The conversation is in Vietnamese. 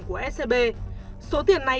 của scb số tiền này